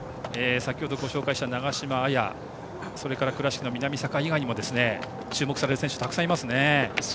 先ほどご紹介した長嶋や綾そして倉敷の南坂以外にも注目される選手たくさんいますね。